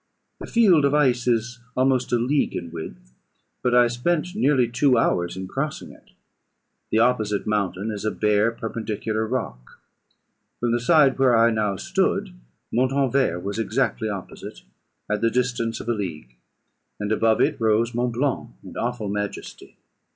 The field of ice is almost a league in width, but I spent nearly two hours in crossing it. The opposite mountain is a bare perpendicular rock. From the side where I now stood Montanvert was exactly opposite, at the distance of a league; and above it rose Mont Blanc, in awful majesty.